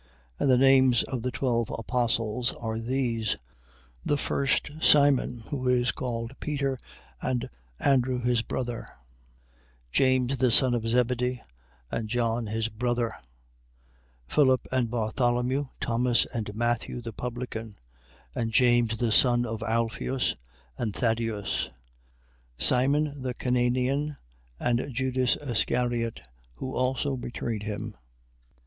10:2. And the names of the twelve Apostles are these: The first, Simon who is called Peter, and Andrew his brother, 10:3. James the son of Zebedee, and John his brother, Philip and Bartholomew, Thomas and Matthew the publican, and James the son of Alpheus, and Thaddeus, 10:4. Simon the Cananean, and Judas Iscariot, who also betrayed him.